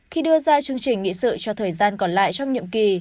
khi đưa ra chương trình nghị sự cho thời gian còn lại trong nhiệm kỳ